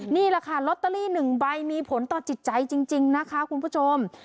นี่แหละค่ะลอตเตอรี่๑ใบมีผลต่อจิตใจจริงนะคะคุณผู้ชม